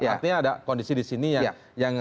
artinya ada kondisi di sini yang